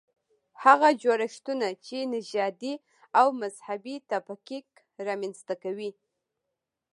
هغه جوړښتونه چې نژادي او مذهبي تفکیک رامنځته کوي.